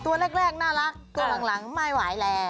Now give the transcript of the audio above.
ตัวแรกน่ารักตัวหลังไม่ไหวแล้ว